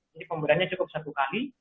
jadi pemberiannya cukup satu kali